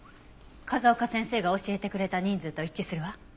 風丘先生が教えてくれた人数と一致するわ。